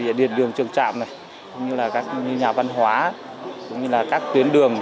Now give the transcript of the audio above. vì điện đường trường trạm này như là các nhà văn hóa cũng như là các tuyến đường